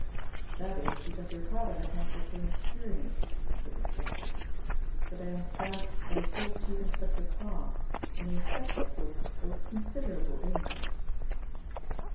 "That is because your father has not the same experience," said the detective, "but I understand that he saw Chief Inspector Parr, and the inspector thought there was considerable danger."